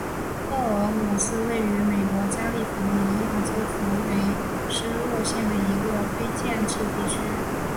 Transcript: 赫尔姆是位于美国加利福尼亚州弗雷斯诺县的一个非建制地区。